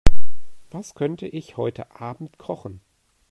Was könnte ich heute Abend kochen?